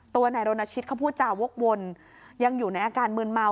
นายรณชิตเขาพูดจาวกวนยังอยู่ในอาการมืนเมา